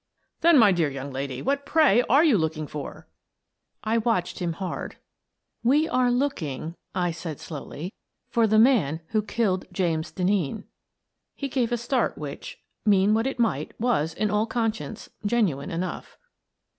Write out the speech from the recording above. " Then, my dear young lady, what, pray, are you looking for?" I watched him hard. " We are looking," I said, slowly, " for the man who killed James Denneen." He gave a start which, mean what it might, was, in all conscience, genuine enough.